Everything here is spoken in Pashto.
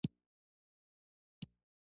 سوات میاګل ته یو لیک لېږلی.